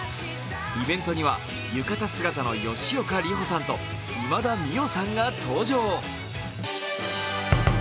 イベントには浴衣姿の吉岡里帆さんと今田美桜さんが登場。